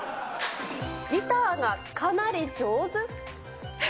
ギターがかなり上手？